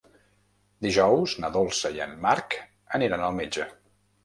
Dijous na Dolça i en Marc aniran al metge.